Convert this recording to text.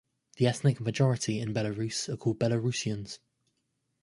The ethnic majority in Belarus are called Belarusians.